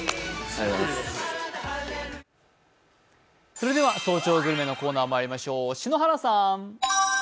それでは「早朝グルメ」のコーナーまいりましょう。